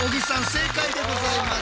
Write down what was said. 正解でございます。